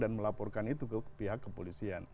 dan melaporkan itu ke pihak kepolisian